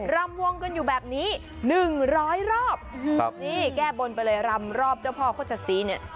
รำวงกันอยู่แบบนี้หนึ่งร้อยรอบนี่แก้บนไปเลยรำรอบเจ้าพ่อโฆษศรีเนี่ย